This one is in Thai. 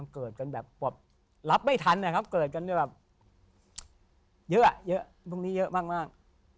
เกิดกันแบบรับไม่ทันนะครับเกิดกันแบบเยอะเยอะพรุ่งนี้เยอะมาก